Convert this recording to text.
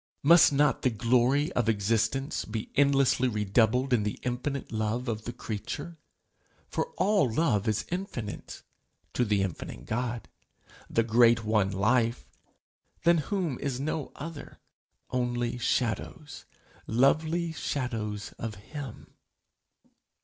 Must not the glory of existence be endlessly redoubled in the infinite love of the creature for all love is infinite to the infinite God, the great one life, than whom is no other only shadows, lovely shadows of him!